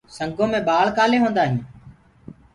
سنگو مي ڀآݪ ڪآلي هوندآ هينٚ؟